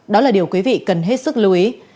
đó là điều quý vị cần hết sức lưu ý